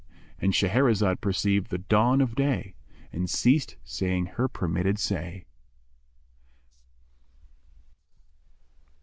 —And Shahrazad perceived the dawn of day and ceased saying her permitted say.